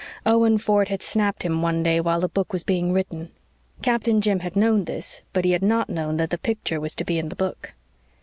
Owen Ford had "snapped" him one day while the book was being written. Captain Jim had known this, but he had not known that the picture was to be in the book.